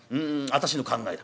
私の考えだ。